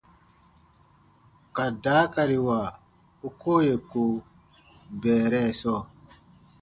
Ka daakariwa u koo yè ko bɛɛrɛ sɔɔ.